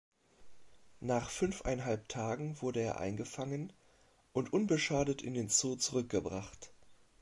Nach fünfeinhalb Tagen wurde er eingefangen und unbeschadet in den Zoo zurückgebracht.